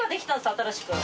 新しく。